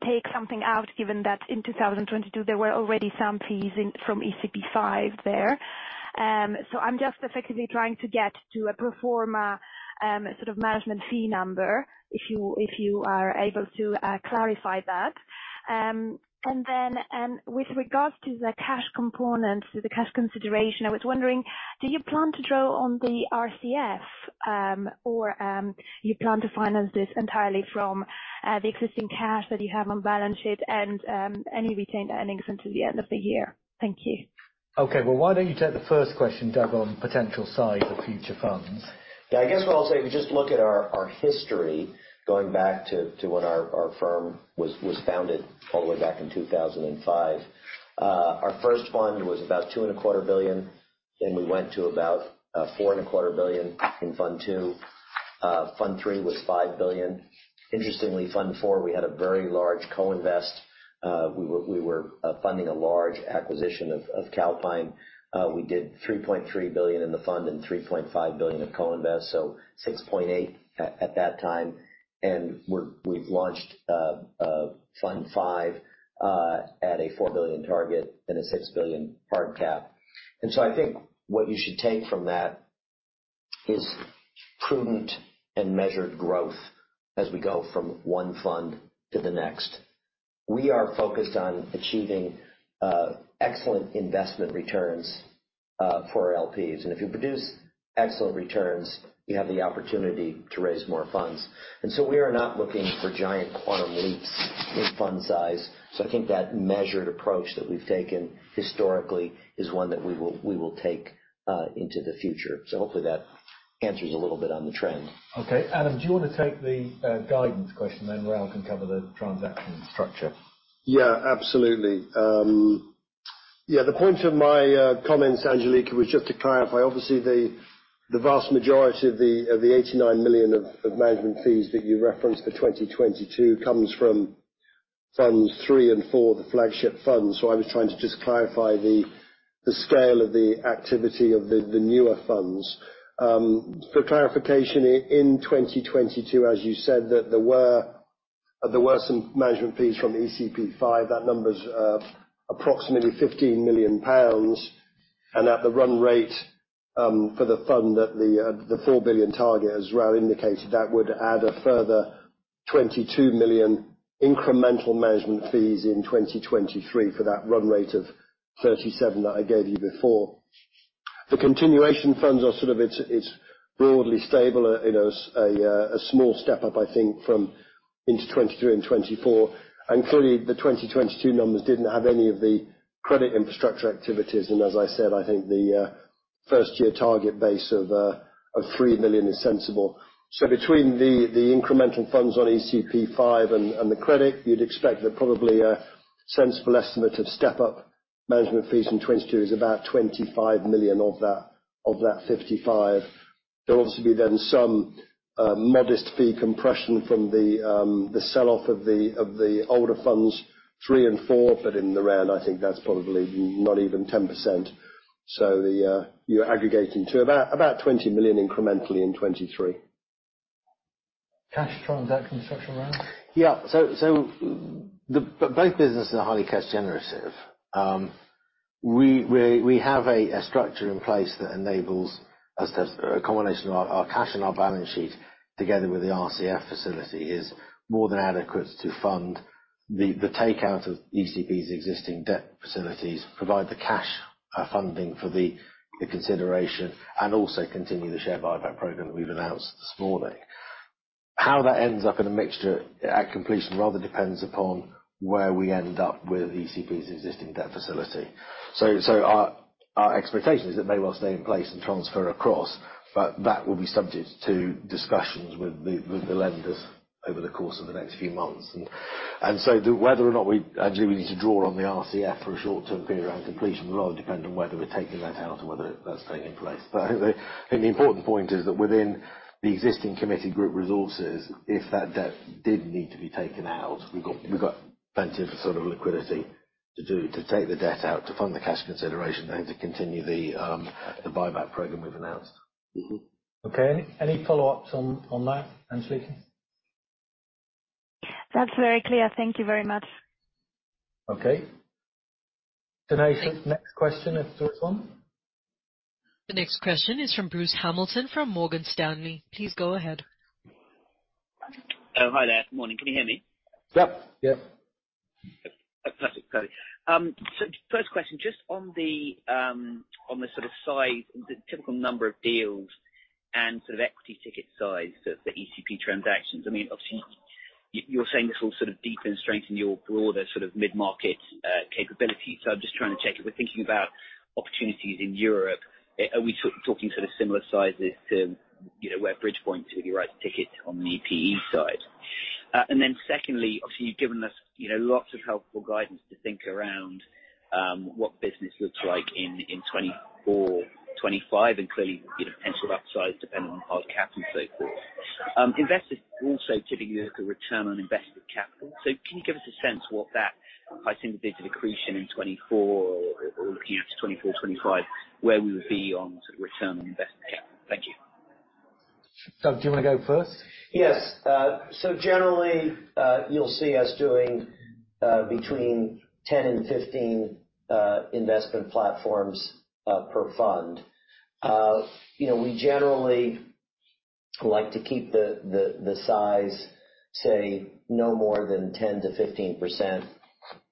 take something out, given that in 2022, there were already some fees in from ECP V there. So I'm just effectively trying to get to a pro forma sort of management fee number, if you are able to clarify that. And then, with regards to the cash component, to the cash consideration, I was wondering, do you plan to draw on the RCF, or you plan to finance this entirely from the existing cash that you have on balance sheet and any retained earnings until the end of the year? Thank you. Okay. Well, why don't you take the first question, Doug, on potential size of future funds? Yeah, I guess what I'll say, if you just look at our history, going back to when our firm was founded all the way back in 2005. Our first fund was about $2.25 billion, then we went to about $4.25 billion in fund two. Fund three was $5 billion. Interestingly, fund four, we had a very large co-invest. We were funding a large acquisition of Calpine. We did $3.3 billion in the fund and $3.5 billion of co-invest, so $6.8 billion at that time. And we've launched fund five at a $4 billion target and a $6 billion hard cap. And so I think what you should take from that is prudent and measured growth as we go from one fund to the next. We are focused on achieving excellent investment returns for our LPs. And if you produce excellent returns, you have the opportunity to raise more funds. And so we are not looking for giant quantum leaps in fund size. So I think that measured approach that we've taken historically is one that we will take into the future. So hopefully that answers a little bit on the trend. Okay. Adam, do you want to take the guidance question, then Raoul can cover the transaction structure? Yeah, absolutely. Yeah, the point of my comments, Angeliki, was just to clarify, obviously, the vast majority of the 89 million of management fees that you referenced for 2022 comes from funds three and four, the flagship funds. So I was trying to just clarify the scale of the activity of the newer funds. For clarification, in 2022, as you said, that there were some management fees from ECP V. That number's approximately 15 million pounds, and at the run rate for the fund, at the $4 billion target, as Raoul indicated, that would add a further 22 million incremental management fees in 2023 for that run rate of 37 that I gave you before. The continuation funds are sort of broadly stable, you know, a small step up, I think, from into 2023 and 2024. And clearly, the 2022 numbers didn't have any of the credit infrastructure activities, and as I said, I think the first-year target base of 3 million is sensible. So between the incremental funds on ECP V and the credit, you'd expect that probably a sensible estimate of step-up management fees in 2022 is about 25 million of that 55. There'll obviously be then some modest fee compression from the sell-off of the older funds 3 and 4, but in the round, I think that's probably not even 10%. So you're aggregating to about 20 million incrementally in 2023.... cash from that construction round? Yeah. So, both businesses are highly cash generative. We have a structure in place that enables us to have a combination of our cash and our balance sheet, together with the RCF facility, is more than adequate to fund the takeout of ECP's existing debt facilities, provide the cash funding for the consideration, and also continue the share buyback program that we've announced this morning. How that ends up in a mixture at completion rather depends upon where we end up with ECP's existing debt facility. So, our expectation is it may well stay in place and transfer across, but that will be subject to discussions with the lenders over the course of the next few months. the whether or not we actually need to draw on the RCF for a short-term period around completion will rather depend on whether we're taking that out or whether that's staying in place. But I think the important point is that within the existing committed group resources, if that debt did need to be taken out, we've got plenty of sort of liquidity to do to take the debt out, to fund the cash consideration, and to continue the buyback program we've announced. Okay, any follow-ups on, on that, Angeliki? That's very clear. Thank you very much. Okay. Next question is the third one. The next question is from Bruce Hamilton, from Morgan Stanley. Please go ahead. Hi there. Morning. Can you hear me? Yep. Yep. Perfect. Sorry. So first question, just on the sort of size, the typical number of deals and sort of equity ticket size for ECP transactions. I mean, obviously, you're saying this will sort of deepen and strengthen your broader sort of mid-market capability. So I'm just trying to check. If we're thinking about opportunities in Europe, are we talking sort of similar sizes to, you know, where Bridgepoint typically writes tickets on the PE side? And then secondly, obviously, you've given us, you know, lots of helpful guidance to think around what business looks like in 2024, 2025, and clearly, you know, potential upside, depending on hard cap and so forth. Investors are also giving you the return on invested capital. So can you give us a sense what that might seem to be to the accretion in 2024 or looking out to 2024, 2025, where we would be on sort of return on invested capital? Thank you. Doug, do you want to go first? Yes. So generally, you'll see us doing between 10 and 15 investment platforms per fund. You know, we generally like to keep the size, say, no more than 10%-15%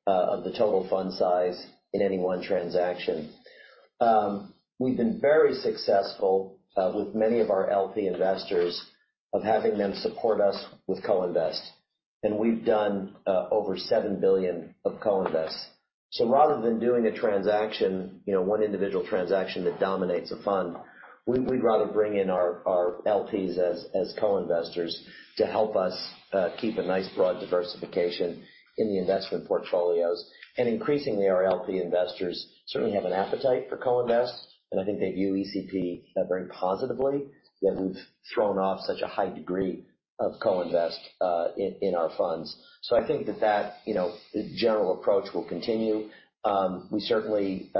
of the total fund size in any one transaction. We've been very successful with many of our LP investors of having them support us with co-invest, and we've done over 7 billion of co-invest. So rather than doing a transaction, you know, one individual transaction that dominates a fund, we'd rather bring in our LPs as co-investors to help us keep a nice, broad diversification in the investment portfolios. Increasingly, our LP investors certainly have an appetite for co-invest, and I think they view ECP very positively, that we've thrown off such a high degree of co-invest in our funds. So I think that that, you know, general approach will continue. We certainly,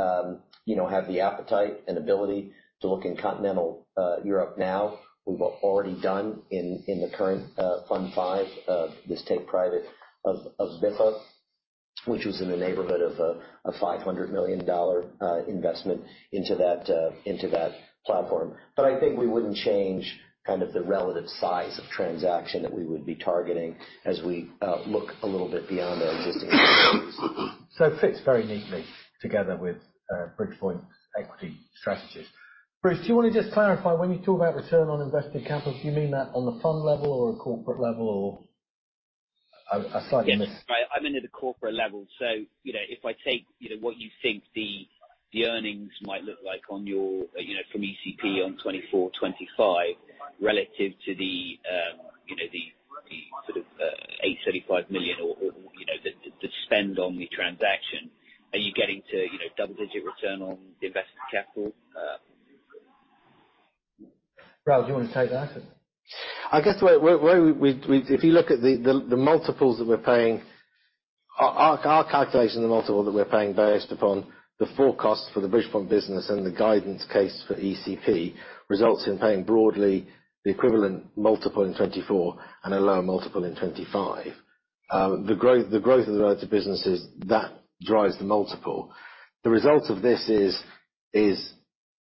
you know, have the appetite and ability to look in continental Europe now. We've already done in the current fund five this take private of Biffa, which was in the neighborhood of a $500 million investment into that platform. But I think we wouldn't change kind of the relative size of transaction that we would be targeting as we look a little bit beyond our existing So it fits very neatly together with Bridgepoint equity strategies. Bruce, do you want to just clarify, when you talk about return on invested capital, do you mean that on the fund level or a corporate level, or … I slightly missed. Yes, I'm into the corporate level, so, you know, if I take, you know, what you think the earnings might look like on your, you know, from ECP on 2024, 2025, relative to the, you know, the sort of 835 million or, you know, the spend on the transaction, are you getting to, you know, double-digit return on the invested capital? Ralph, do you want to take that? I guess where we if you look at the multiples that we're paying, our calculation, the multiple that we're paying based upon the full cost for the Bridgepoint business and the guidance case for ECP, results in paying broadly the equivalent multiple in 2024 and a lower multiple in 2025. The growth of the relative businesses, that drives the multiple. The result of this is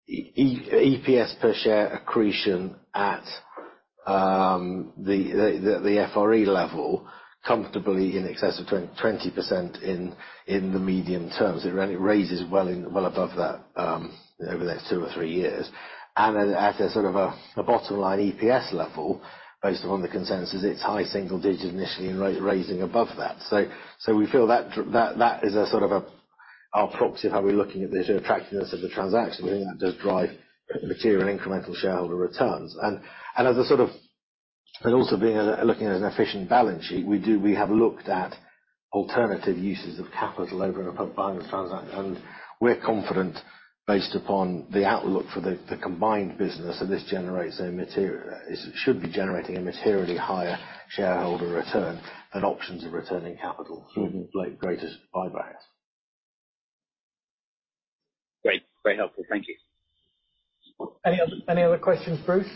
EPS per share accretion at the FRE level, comfortably in excess of 20% in the medium term. So it really raises well above that over the next two or three years. And at a sort of a bottom line EPS level, based upon the consensus, it's high single digit initially and raising above that. So we feel that that is a sort of our proxy of how we're looking at the attractiveness of the transaction. We think that does drive material incremental shareholder returns. And as a sort of and also being looking at an efficient balance sheet, we have looked at alternative uses of capital over and above buying the transaction, and we're confident, based upon the outlook for the combined business, that this generates a material it should be generating a materially higher shareholder return and options of returning capital, including greater buybacks. Great, very helpful. Thank you. Any other questions, Bruce?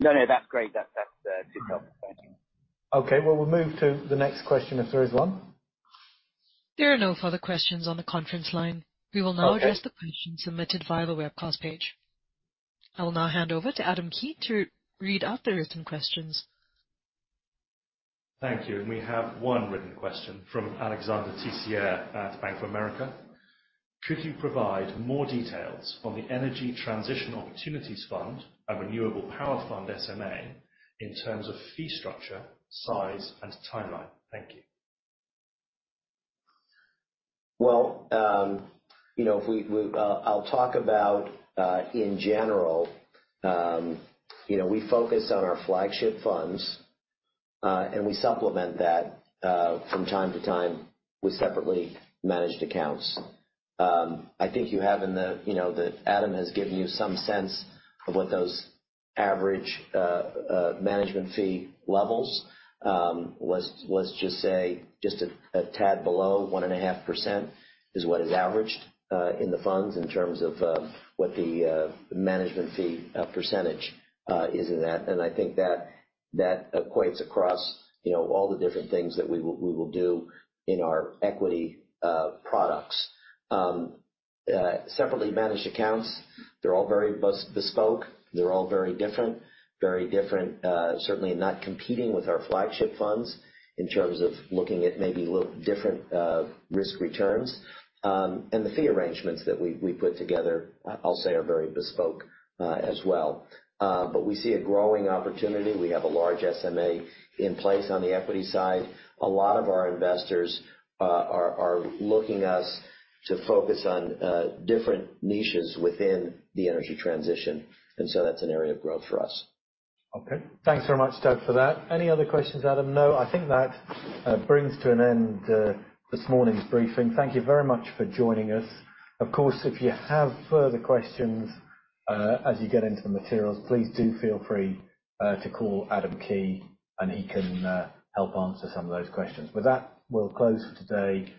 No, no, that's great. That's, that's, good help. Thank you. Okay, well, we'll move to the next question, if there is one. There are no further questions on the conference line. Okay. We will now address the questions submitted via the webcast page. I will now hand over to Adam Key to read out the written questions. Thank you. And we have one written question from Alexander Ticia at Bank of America: "Could you provide more details on the Energy Transition Opportunities Fund, a renewable power fund SMA, in terms of fee structure, size, and timeline? Thank you. Well, you know, I'll talk about in general, you know, we focus on our flagship funds and we supplement that from time to time with separately managed accounts. I think you have in the, you know, that Adam has given you some sense of what those average management fee levels was just, say, a tad below 1.5%, is what is averaged in the funds in terms of what the management fee percentage is in that. And I think that equates across, you know, all the different things that we will do in our equity products. Separately managed accounts, they're all very bespoke, they're all very different, very different, certainly not competing with our flagship funds in terms of looking at maybe little different risk returns. And the fee arrangements that we put together, I'll say, are very bespoke as well. But we see a growing opportunity. We have a large SMA in place on the equity side. A lot of our investors are looking us to focus on different niches within the energy transition, and so that's an area of growth for us. Okay. Thanks very much, Doug, for that. Any other questions, Adam? No, I think that brings to an end this morning's briefing. Thank you very much for joining us. Of course, if you have further questions as you get into the materials, please do feel free to call Adam Key, and he can help answer some of those questions. With that, we'll close for today.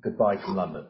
Goodbye from London.